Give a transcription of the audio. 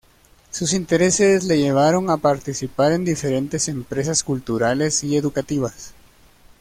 Sus intereses le llevaron a participar en diferentes empresas culturales y educativas.